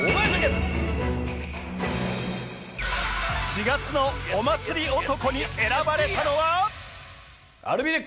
４月のお祭り男に選ばれたのは